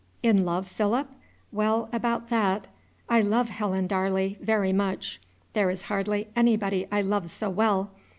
In love, Philip? Well, about that, I love Helen Darley very much: there is hardly anybody I love so well.